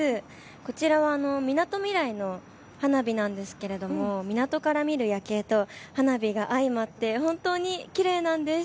こちらは、みなとみらいの花火なんですけれども港から見る夜景と花火が相まって本当にきれいなんです。